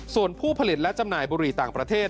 ส่วนผู้ผลิตและจำหน่ายบุหรี่ต่างประเทศ